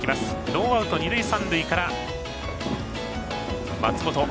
ノーアウト、二塁三塁から松本。